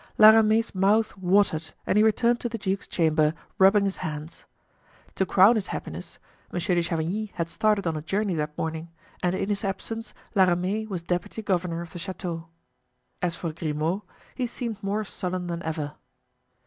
La Ramee's mouth watered and he returned to the duke's chamber rubbing his hands. To crown his happiness, Monsieur de Chavigny had started on a journey that morning and in his absence La Ramee was deputy governor of the chateau. As for Grimaud, he seemed more sullen than ever.